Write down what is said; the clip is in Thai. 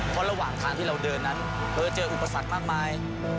เพราะระหว่างทางที่เราเดินนั้นเธอเจออุปสรรคมากมาย